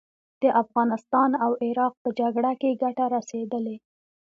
د افغانستان او عراق په جګړه کې ګټه رسېدلې.